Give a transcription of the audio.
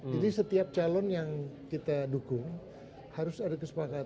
jadi setiap calon yang kita dukung harus ada kesepakatan